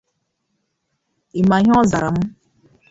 Ị mà ihe ọ zara m?